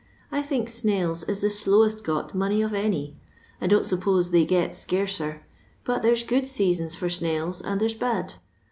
I think snails is the slowest got money of any. I don't suppose they get 's scarcer, but there 's good seasons for snails and there's bad.